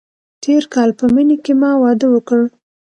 تېر کال په مني کې ما واده وکړ.